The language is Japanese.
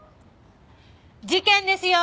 事件ですよ！